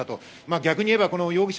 逆に言えば、この容疑者